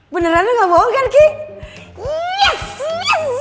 beneran lu nggak bohong kan kiki